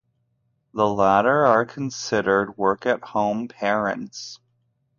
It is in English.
The latter are considered work-at-home parents.